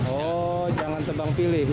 oh jangan tebang pilih